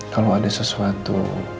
kalo ada sesuatu